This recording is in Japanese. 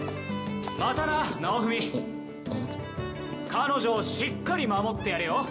彼女をしっかり守ってやれよ。